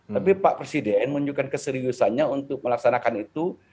tapi pak presiden menunjukkan keseriusannya untuk melaksanakan itu